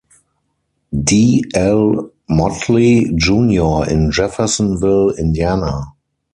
D. L. Motley, Junior in Jeffersonville, Indiana.